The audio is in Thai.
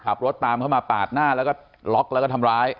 ขับรถตามเข้ามาปาดหน้าแล้วก็ล็อกแล้วก็ทำร้าย